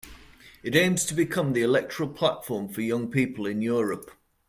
It aims to become the electoral platform for young people in Europe.